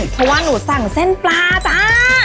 เพราะว่าหนูสั่งเส้นปลาจ้า